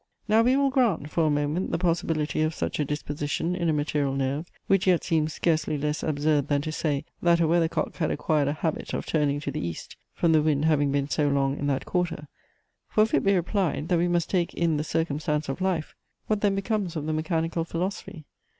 Now we will grant, for a moment, the possibility of such a disposition in a material nerve, which yet seems scarcely less absurd than to say, that a weather cock had acquired a habit of turning to the east, from the wind having been so long in that quarter: for if it be replied, that we must take in the circumstance of life, what then becomes of the mechanical philosophy?